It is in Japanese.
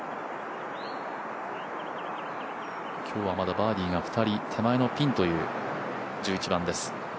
今日はまだバーディーが２人、手前のピンという１１番です。